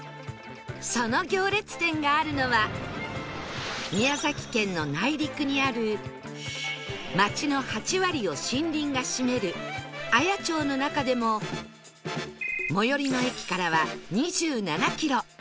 その行列店があるのは宮崎県の内陸にある町の８割を森林が占める綾町の中でも最寄りの駅からは２７キロ